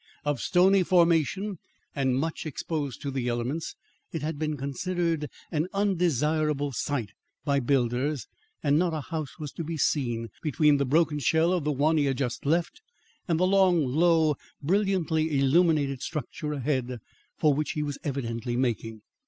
Of stony formation and much exposed to the elements, it had been considered an undesirable site by builders, and not a house was to be seen between the broken shell of the one he had just left, and the long, low, brilliantly illuminated structure ahead, for which he was evidently making.